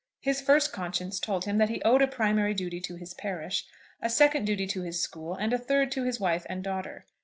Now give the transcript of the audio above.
His first conscience told him that he owed a primary duty to his parish, a second duty to his school, and a third to his wife and daughter.